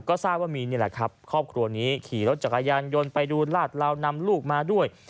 ก็ทราบว่ามีนี่แหละครับครอบครัวนี้ขี่รถจักรยานยนต์ไปดูลาดลาวนำลูกมาด้วย